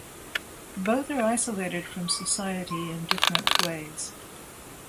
Both are isolated from society in different ways.